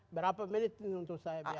berapa menit untuk saya